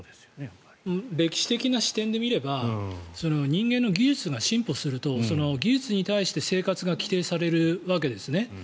歴史的な視点から見れば人間の技術が進歩するとその技術に対して生活が規定されるわけですね。